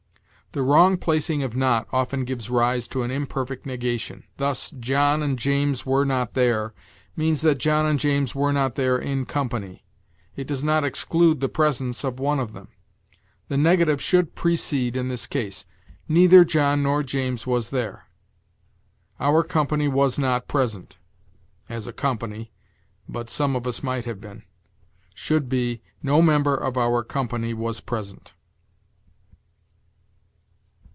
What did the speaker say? The wrong placing of not often gives rise to an imperfect negation; thus, "John and James were not there," means that John and James were not there in company. It does not exclude the presence of one of them. The negative should precede in this case: "Neither John nor James was there." "Our company was not present" (as a company, but some of us might have been), should be, "No member of our company was present."